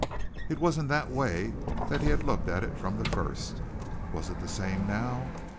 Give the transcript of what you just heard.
It was in that way that he had looked at it from the first. Was it the same now?